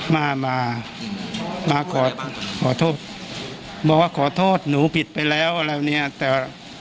มามาขอโทษบอกว่าขอโทษหนูผิดไปแล้วอะไรเนี้ยแต่ว่า